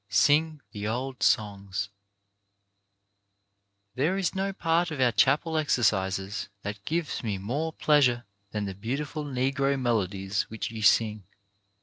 SING THE OLD SONGS There is no part of our chapel exercises that gives me more pleasure than the beautiful Negro melodies which you sing.